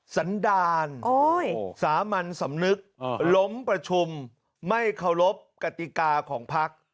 สันดาลสามัญสำนึกล้มประชุมไม่เคารพกติกาของพัก